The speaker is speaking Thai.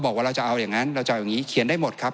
บอกว่าเราจะเอาอย่างนั้นเราจะเอาอย่างนี้เขียนได้หมดครับ